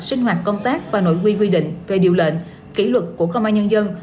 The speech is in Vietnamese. sinh hoạt công tác và nội quy quy định về điều lệnh kỷ luật của công an nhân dân